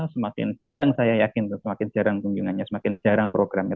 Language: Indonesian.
semakin saya yakin semakin jarang kunjungannya semakin jarang programnya